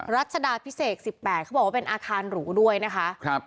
รัชดาพิเศษสิบแปดเขาบอกว่าเป็นอาคารหรูด้วยนะคะครับ